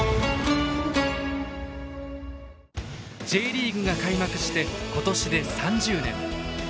Ｊリーグが開幕して今年で３０年。